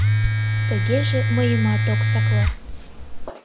Тыгеже мыйымат ок сакле.